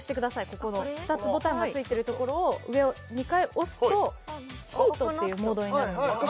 ここの２つボタンが付いてるところを上を２回押すとＨＥＡＴっていうモードになるんですね・